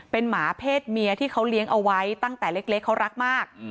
เป็นหมาเพศเมียที่เขาเลี้ยงเอาไว้ตั้งแต่เล็กเขารักมาก